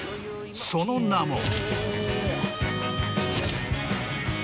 その名も。